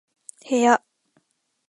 部屋